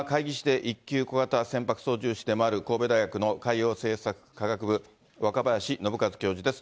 ここからは海技士で１級小型船舶操縦士でもある神戸大学の海洋せいさく科学部、若林伸和教授です。